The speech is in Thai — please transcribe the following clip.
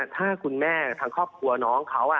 ถ้าคุณแม่ทางครอบครัวน้องเขา